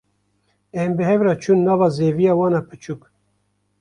Em bi hev re çûn nava zeviya wan a biçûk.